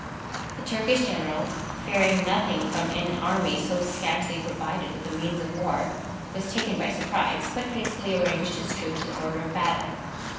The Turkish general, fearing nothing from an army so scantily provided with the means of war, was taken by surprise, but hastily arranged his troops in order of battle.